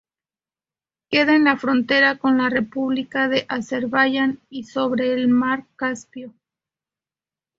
Queda en la frontera con la República de Azerbaiyán y sobre el mar Caspio.